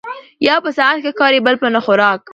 ـ يو په سعت ښه ښکاري بل په نه خوراک